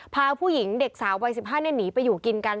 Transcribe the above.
พาผู้หญิงเด็กสาววัย๑๕หนีไปอยู่กินกัน